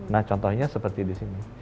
nah contohnya seperti di sini